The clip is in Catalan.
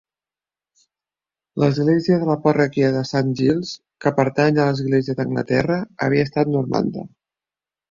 L'església de la parròquia de Saint Giles, que pertany a l'Església d'Anglaterra, havia estat normanda.